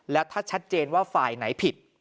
แล้วถ้าชัดเจนว่าฝ่ายไหนผิด